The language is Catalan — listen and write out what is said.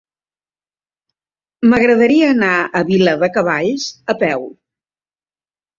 M'agradaria anar a Viladecavalls a peu.